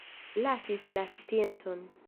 Lasis la sciencon.